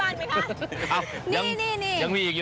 มันเล่นไปที่บ้านไหมคะ